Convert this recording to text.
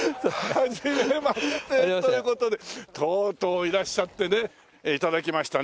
はじめまして。という事でとうとういらっしゃってね頂きましたね。